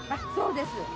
そうです。